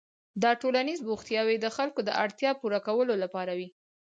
دا ټولنیز بوختیاوې د خلکو د اړتیاوو پوره کولو لپاره وې.